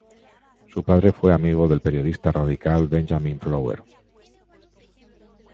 Su padre fue amigo del periodista radical Benjamin Flower.